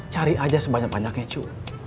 cari aja sebanyak banyaknya cu